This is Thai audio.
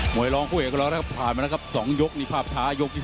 หมดยกที่๒